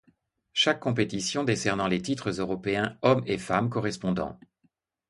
Chaque compétition décernant les titres européens hommes et femmes correspondant.